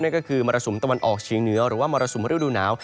นั่นก็คือมรสุมตะวันออกชิงเหนือหรือว่ามรสุมฮริวดูหนาว